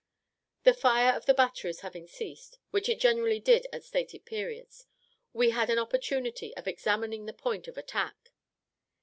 The fire of the batteries having ceased, which it generally did at stated periods, we had an opportunity of examining the point of attack.